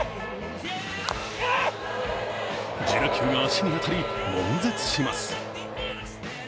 自打球が足に当たり、もん絶します。